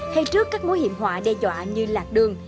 hay trước các mối hiểm họa đe dọa như lạc đường